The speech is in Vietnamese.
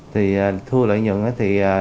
thì thu lợi nhuận ấy thì